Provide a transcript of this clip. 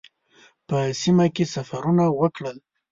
په سیمه کې سفرونه وکړل.